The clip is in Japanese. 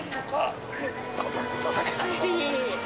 いえいえ。